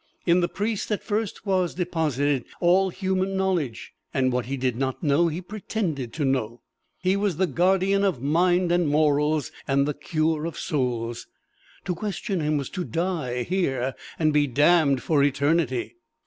In the priest, at first, was deposited all human knowledge, and what he did not know he pretended to know. He was the guardian of mind and morals, and the cure of souls. To question him was to die here and be damned for eternity.